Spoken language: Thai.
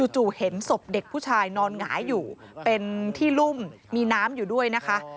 จู่เห็นศพเด็กผู้ชายนอนหงายอยู่เป็นที่รุ่มมีน้ำอยู่ด้วยนะคะ